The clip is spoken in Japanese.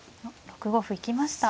６五歩行きました。